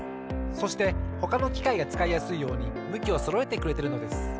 そしてほかのきかいがつかいやすいようにむきをそろえてくれてるのです。